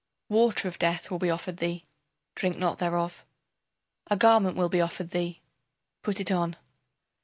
Water of death will be offered thee, drink not thereof. A garment will be offered thee, put it on.